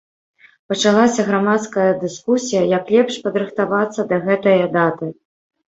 Пачалася грамадская дыскусія, як лепш падрыхтавацца да гэтае даты.